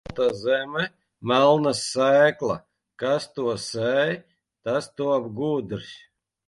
Balta zeme, melna sēkla, kas to sēj, tas top gudrs.